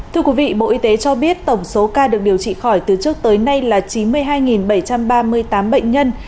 thưa quý vị bộ y tế cho biết tổng số ca được điều trị khỏi từ trước tới nay là chín mươi hai bảy trăm ba mươi tám bệnh nhân